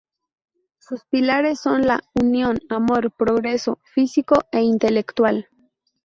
Sus pilares son la "Unión, Amor, Progreso Físico e Intelectual...